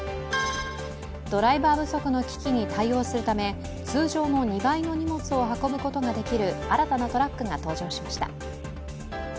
ドライバー不足の危機に対応するため通常の２倍の荷物を運ぶことができる新たなトラックが登場しました。